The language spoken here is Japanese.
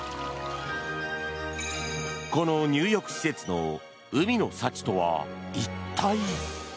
この入浴施設の海の幸とは一体。